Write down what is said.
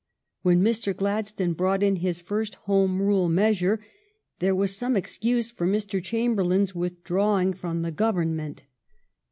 When Mr. Gladstone brought in his first Home Rule measure there was some excuse for Mr. Chamberlain's withdrawing from the Govern ment.